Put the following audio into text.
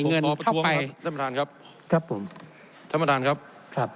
เงินเข้าไปท่านประธานครับครับผมท่านประธานครับครับ